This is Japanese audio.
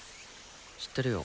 知ってるよ。